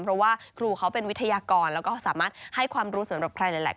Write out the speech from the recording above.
เพราะว่าครูเขาเป็นวิทยากรแล้วก็สามารถให้ความรู้สำหรับใครหลายคน